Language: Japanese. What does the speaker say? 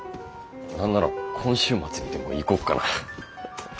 何なら今週末にでも行こっかな。